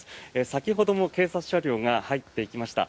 先ほども警察車両が入っていきました。